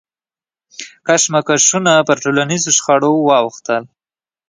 کشمکشونه پر ټولنیزو شخړو واوښتل.